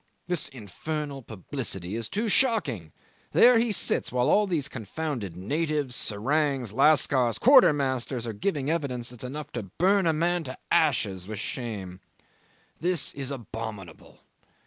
This infernal publicity is too shocking: there he sits while all these confounded natives, serangs, lascars, quartermasters, are giving evidence that's enough to burn a man to ashes with shame. This is abominable.